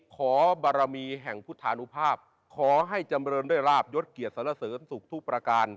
ขอบารมีแห่งพุทธานุภาพขอให้จำเริญด้วยราบยดเกียรติสารเสริมสุขทุกประการ